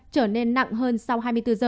trở nên nặng hơn sau hai mươi bốn h